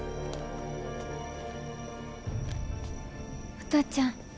お父ちゃん？